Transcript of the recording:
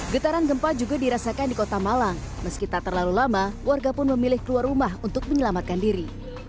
getaran gempa juga dirasakan di kota malang meski tak terlalu lama warga pun memilih keluar rumah untuk menyelamatkan diri